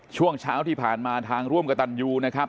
ช่วงเช้าที่ผ่านมาทางร่วมกับตันยูนะครับ